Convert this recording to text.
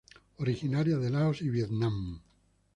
Originaria de Laos y Vietnam.